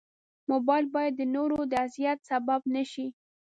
موبایل باید د نورو د اذیت سبب نه شي.